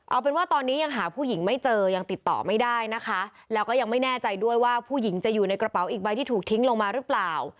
เอาเป็นว่าตอนนี้ยังหาผู้หญิงไม่เจอยังติดต่อไม่ได้นะคะแล้วก็ยังไม่แน่ใจด้วยว่าผู้หญิงจะอยู่ในกระเป๋าอีกใบที่ถูกทิ้งลงมาหรือเปล่า